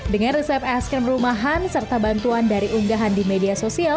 dengan resep es krim rumahan serta bantuan dari unggahan di media sosial